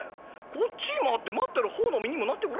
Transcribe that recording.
こっちに回って待ってる方の身にもなってごらんよ。